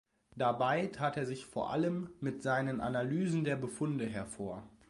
Dabei tat er sich vor allem mit seinen Analysen der Befunde hervor.